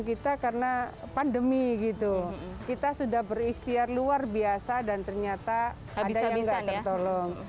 kita karena pandemi gitu kita sudah beristirahat luar biasa dan ternyata habis habisan ya tolong